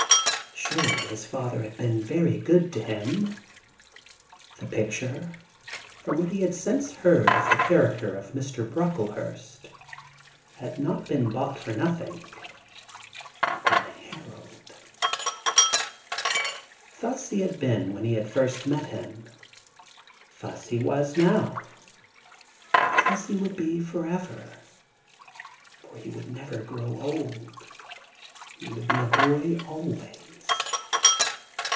Surely his father had been very good to him! The picture, from what he had since heard of the 7 THE GARDEN GOD character of Mr. Brocklehurst, had not been bought for nothing. ... And Harold !.•. Thus he had been when he had first met him ; thus he was now; thus he would be for everl For he would never grow old — he would be a boy always.